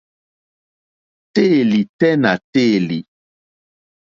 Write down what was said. Téèlì tɛ́ nà téèlì.